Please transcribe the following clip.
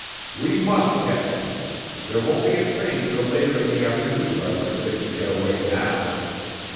"We must catch them. There won't be a train till later in the afternoon by which they can get away now.